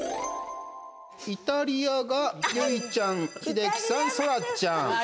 イタリアが結実ちゃん英樹さん、そらちゃん。